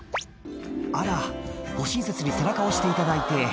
「あらご親切に背中押していただいて」